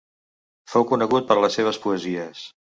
Fou conegut per les seves poesies.